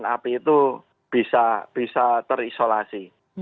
api itu bisa terisolasi